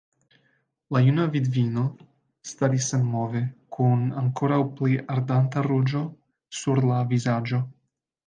La juna vidvino staris senmove, kun ankoraŭ pli ardanta ruĝo sur la vizaĝo.